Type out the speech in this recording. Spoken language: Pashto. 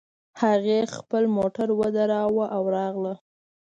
هغې خپلې موټر ودراوو او راغله